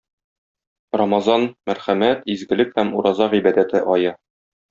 Рамазан - мәрхәмәт, изгелек һәм ураза гыйбадәте ае.